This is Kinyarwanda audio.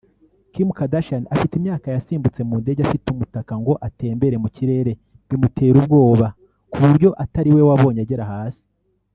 Kim Kardashian afite imyaka yasimbutse mundege afite umutaka ngo atembere mukirere bimutera ubwoba kuburyo atariwe wabonye agera hasi